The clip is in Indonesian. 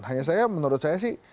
hanya saya mengatakan